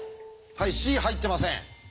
はいＣ入ってません。